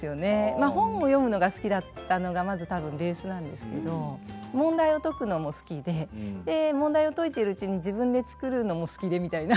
まあ本を読むのが好きだったのがまず多分ベースなんですけど問題を解くのも好きでで問題を解いてるうちに自分で作るのも好きでみたいな。